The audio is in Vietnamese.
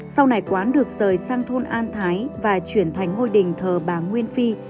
sau này quán được rời sang thôn an thái và chuyển thành ngôi đình thờ bà nguyên phi